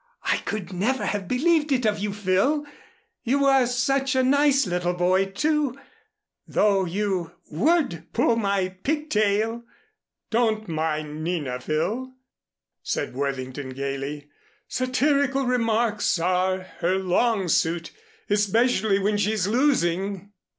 "I could never have believed it of you, Phil. You were such a nice little boy, too, though you would pull my pig tail!" "Don't mind Nina, Phil," said Worthington gayly. "Satyrical remarks are her long suit, especially when she's losing."